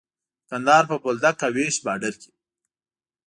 د کندهار په بولدک او ويش باډر کې.